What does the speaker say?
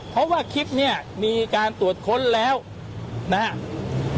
เพราะว่าคลิปนี้มีการตรวจค้นแล้วนะครับ